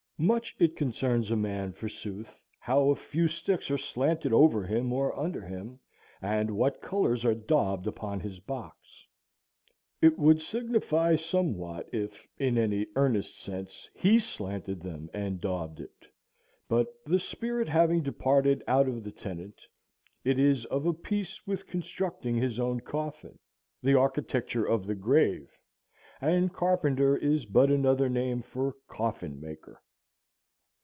Much it concerns a man, forsooth, how a few sticks are slanted over him or under him, and what colors are daubed upon his box. It would signify somewhat, if, in any earnest sense, he slanted them and daubed it; but the spirit having departed out of the tenant, it is of a piece with constructing his own coffin,—the architecture of the grave, and "carpenter" is but another name for "coffin maker."